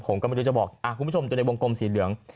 ผมก็ไม่รู้จะบอกคุณผู้ชมดูในวงกลมสีเหลือง